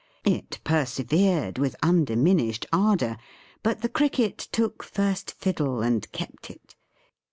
It persevered with undiminished ardour; but the Cricket took first fiddle and kept it.